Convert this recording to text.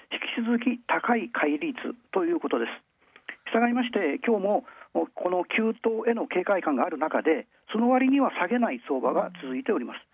したがいまして、今日も警戒感があるなかで、その割には下げない相場が続いています。